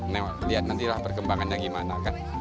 nah lihat nantilah perkembangannya gimana kan